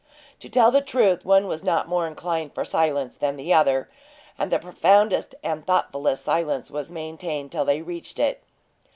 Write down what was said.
To tell the truth, one was not more inclined for silence than the other, and the profoundest and thoughtfulest silence was maintained till they reached it.